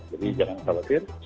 jadi jangan khawatir